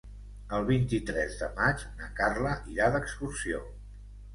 El vint-i-tres de maig na Carla irà d'excursió.